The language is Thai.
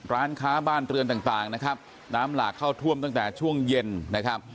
ร้านค้าบ้านเรือนต่างนะครับน้ำหลากเข้าท่วมตั้งแต่ช่วงเย็นนะครับ